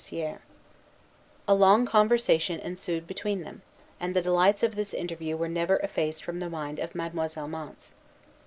A long conversation ensued between them; and the delights of this interview were never effaced from the mind of Mademoiselle Mance.